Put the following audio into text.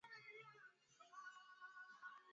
Kenya ilikumbwa na uhaba wiki iliyopita